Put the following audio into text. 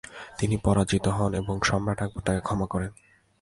তিনি পরাজিত হন এবং সম্রাট আকবর তাকে ক্ষমা করেন।